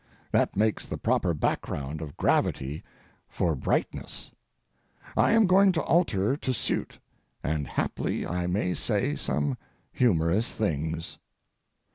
That makes the proper background of gravity for brightness. I am going to alter to suit, and haply I may say some humorous things.